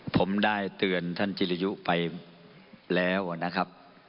ผมได้เตือนท่านจิริยุไปแล้วนะครับ